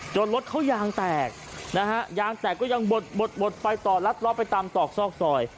รถเขายางแตกนะฮะยางแตกก็ยังบดบดบดไปต่อลัดล้อไปตามตอกซอกซอย